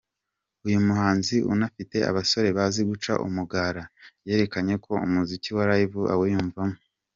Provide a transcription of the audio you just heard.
Uyu muhanzi unafite abasore bazi guca umugara yerekanye ko umuziki wa Live awiyumvamo.